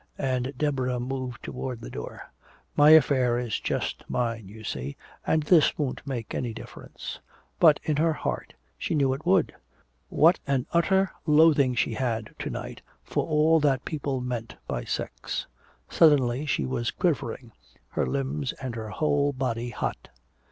And Deborah moved toward the door. "My affair is just mine, you see, and this won't make any difference." But in her heart she knew it would. What an utter loathing she had to night for all that people meant by sex! Suddenly she was quivering, her limbs and her whole body hot.